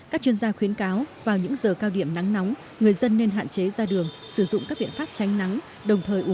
các chuyên gia khuyến cáo vào những giờ cao điểm nắng nóng người dân nên hạn chế ra đường sử dụng các biện pháp tránh nắng đồng thời